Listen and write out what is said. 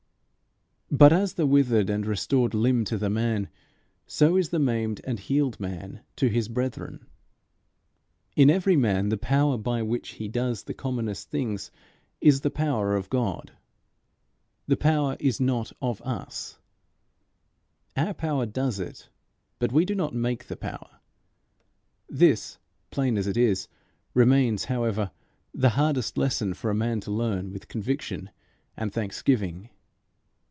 But as the withered and restored limb to the man, so is the maimed and healed man to his brethren. In every man the power by which he does the commonest things is the power of God. The power is not of us. Our power does it; but we do not make the power. This, plain as it is, remains, however, the hardest lesson for a man to learn with conviction and thanksgiving.